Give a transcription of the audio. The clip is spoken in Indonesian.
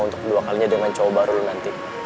untuk dua kalinya dengan cowok baru nanti